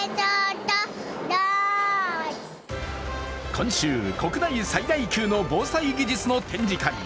今週、国内最大級の防災技術の展示会